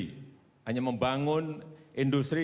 hanya membangun industri